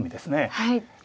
はい。